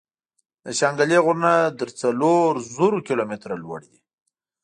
د شانګلې غرونه تر څلور زرو کلو ميتره لوړ دي ـ